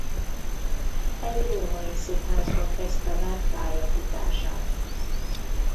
Egy római színházban kezdte meg pályafutását.